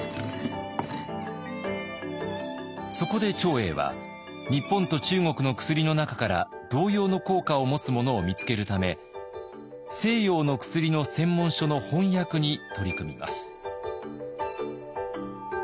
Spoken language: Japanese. そこで長英は日本と中国の薬の中から同様の効果を持つものを見つけるため西洋の薬の専門書の翻訳に取り組みます。